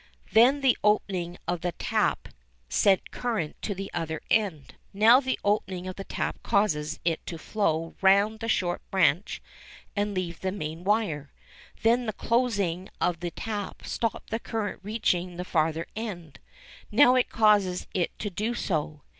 Then the opening of the "tap" sent current to the other end; now the opening of the tap causes it to flow round the short branch and leave the main wire. Then the closing of the tap stopped the current reaching the farther end; now it causes it to do so.